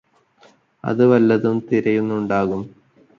അത് വല്ലതും തിരയുന്നുണ്ടാകും